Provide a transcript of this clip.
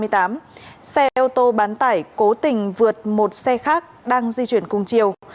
độ ba trăm ba mươi tám xe ô tô bán tải cố tình vượt một xe khác đang di chuyển cùng triều